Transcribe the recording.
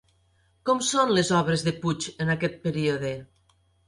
Com són les obres de Puig en aquest període?